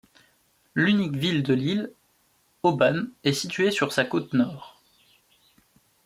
L'unique ville de l'île, Oban, est située sur sa côte nord.